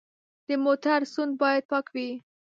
د موټر سوند باید پاک وي.